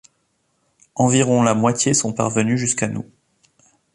Environ la moitié sont parvenus jusqu'à nous.